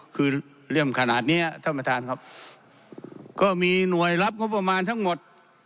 คือเลี่ยมขนาดเนี้ยท่านประธานครับก็มีหน่วยรับงบประมาณทั้งหมด